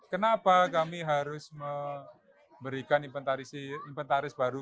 kenapa kami harus memberikan inventaris baru